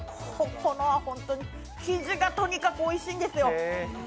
ここのは本当に生地がとにかくおいしんいですよ。